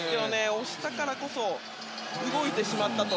押したからこそ動いてしまったと。